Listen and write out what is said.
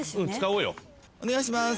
お願いします。